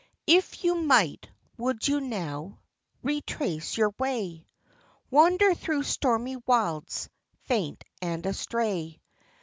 If you might, would you now Retrace your way ? Wander through stormy wilds, Faint and astray